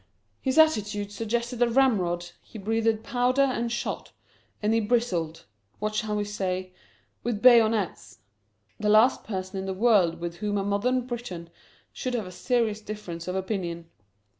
His attitude suggested a ramrod, he breathed powder and shot; and he bristled what shall we say? with bayonets. The last person in the world with whom a modern Briton should have a serious difference of opinion.